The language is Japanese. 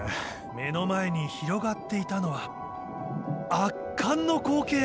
目の前に広がっていたのは圧巻の光景。